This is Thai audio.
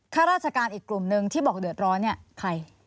ข้าราชการอีกกลุ่มนึงที่บอกเดือดร้อนเนี่ยใคร